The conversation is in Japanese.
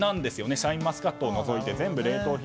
シャインマスカットを除いて全部、冷凍品。